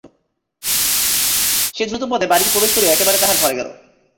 সে দ্রুতপদে বাড়িতে প্রবেশ করিয়াই একেবারে তাহার ঘরে গেল।